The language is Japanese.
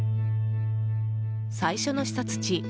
最初の視察地